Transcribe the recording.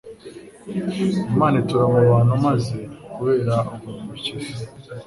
Imana itura mu bantu, maze kubera ubuntu bukiza,